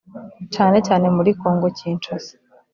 cyane cyane muri Congo Kinshasa